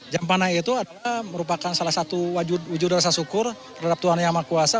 jampana itu adalah merupakan salah satu wujud rasa syukur terhadap tuhan yang maha kuasa